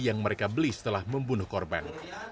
yang mereka beli setelah membunuh korban